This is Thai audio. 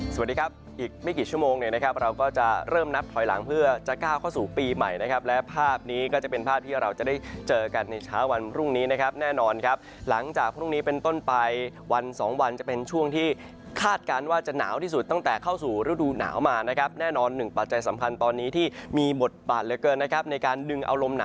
สวัสดีครับอีกไม่กี่ชั่วโมงเนี่ยนะครับเราก็จะเริ่มนับถอยหลังเพื่อจะก้าวเข้าสู่ปีใหม่นะครับและภาพนี้ก็จะเป็นภาพที่เราจะได้เจอกันในเช้าวันพรุ่งนี้นะครับแน่นอนครับหลังจากพรุ่งนี้เป็นต้นไปวันสองวันจะเป็นช่วงที่คาดการณ์ว่าจะหนาวที่สุดตั้งแต่เข้าสู่ฤดูหนาวมานะครับแน่นอนหนึ่งปัจจัยสำคัญตอนนี้ที่มีบทบาทเหลือเกินนะครับในการดึงเอาลมหนา